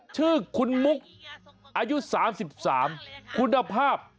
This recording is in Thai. ชื่อคุณมุกอายุ๓๓คุณภาพ